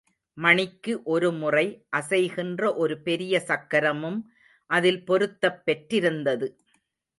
மணிக்கு ஒரு முறை அசைகின்ற ஒரு பெரிய சக்கரமும் அதில் பொருத்தப் பெற்றிருந்தது.